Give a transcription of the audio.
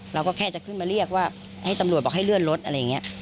เราก็แค่จะขึ้นมาเรียกว่าให้ตำรวจบอกให้เลื่อนรถอะไรอย่างนี้